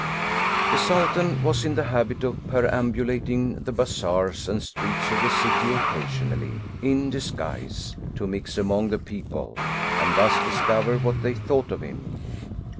The Sultan was in the habit of perambulating the bazaars and streets of the city occasionally, in disguise, to mix among the people, and thus discover what they thought of him.